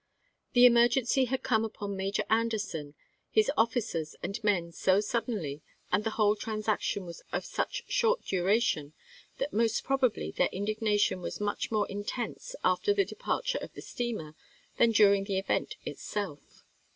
The emergency had come upon Major Anderson, his officers and men so suddenly, and the whole transaction was of such short duration, that most ANDERSON'S TEUCE 105 probably their indignation was much more intense chap.viii. after the departure of the steamer than during the event itself.